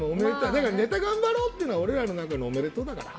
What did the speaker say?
ネタ頑張ろうっていうのは俺らの中のおめでとうだから。